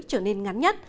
trở nên ngắn nhất